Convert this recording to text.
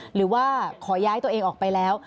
หรือว่าขอย้ายตัวเองออกไปแล้ว